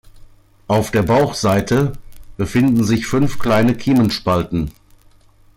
Auf der Bauchseite befinden sich fünf kleine Kiemenspalten.